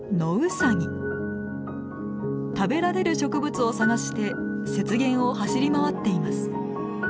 食べられる植物を探して雪原を走り回っています。